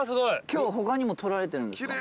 今日他にも撮られてるんですか？